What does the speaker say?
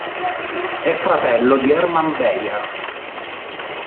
È fratello di Hermann Beyer.